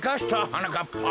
はなかっぱ。